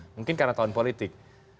mungkin karena tahun politik